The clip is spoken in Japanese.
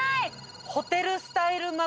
ホテルスタイル